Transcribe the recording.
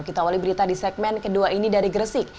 kita awali berita di segmen kedua ini dari gresik